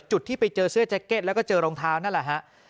จุดที่ไปเจอเสื้อแจ็คเก็ตก็เจอรองเท้านั่นแหละ